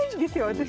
私。